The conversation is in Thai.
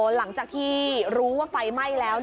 หลังจากที่รู้ว่าไฟไหม้แล้ว